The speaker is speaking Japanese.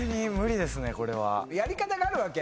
やり方があるわけ？